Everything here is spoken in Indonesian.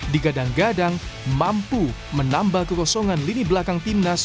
digadang gadang mampu menambah kekosongan lini belakang timnas